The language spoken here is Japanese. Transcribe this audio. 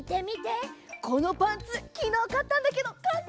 このパンツきのうかったんだけどかっこいいでしょ！